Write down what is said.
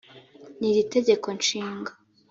n iri tegeko nshinga